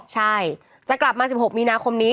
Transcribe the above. ใช่จะกลับมา๑๖มีนาคมนี้